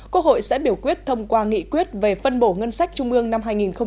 quốc hội sẽ biểu quyết thông qua nghị quyết về phân bổ ngân sách trung ương năm hai nghìn hai mươi